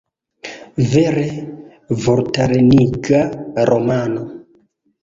Vere vortareniga romano!